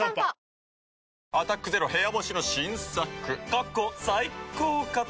過去最高かと。